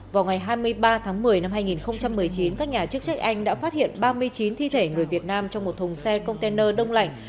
vào ngày hai mươi ba tháng một mươi năm hai nghìn một mươi chín các nhà chức trách anh đã phát hiện ba mươi chín thi thể người việt nam trong một thùng xe container đông lạnh